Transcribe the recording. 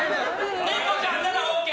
猫ちゃんならＯＫ！